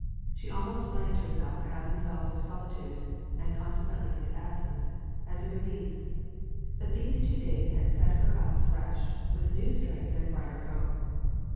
She almost blamed herself for having felt her solitude (and consequently his absence) as a relief; but these two days had set her up afresh, with new strength and brighter hope.